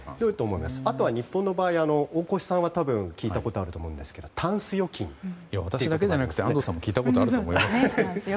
あとは日本の場合は大越さんは聞いたことがあると思いますが私だけじゃなくて安藤さんも聞いたことがあると思いますよ。